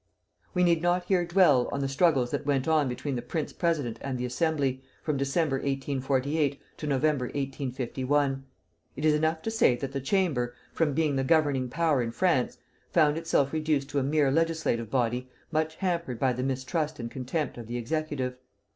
We need not here dwell on the struggles that went on between the prince president and the Assembly, from December, 1848, to November, 1851. It is enough to say that the Chamber, from being the governing power in France, found itself reduced to a mere legislative body much hampered by the mistrust and contempt of the Executive.